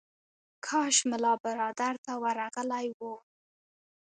کاش ملا برادر ته ورغلی و.